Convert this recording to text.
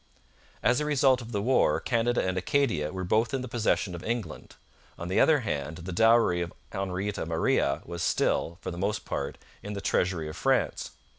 As a result of the war Canada and Acadia were both in the possession of England. On the other hand, the dowry of Henrietta Maria was still, for the most part, in the treasury of France.